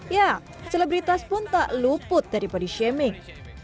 ya selebritas pun tak luput dari body shaming